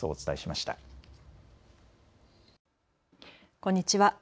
こんにちは。